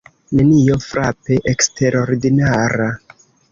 Nenio frape eksterordinara.